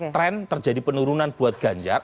tren terjadi penurunan buat ganjar